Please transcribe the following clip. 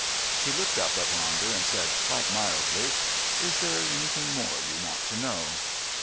He looked up at Ronder and said quite mildly, "Is there anything more you want to know?"